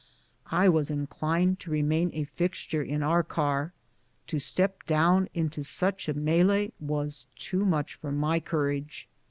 I was inclined to remain a fixture in our car ; to step down into such a melee was too much for ray courage.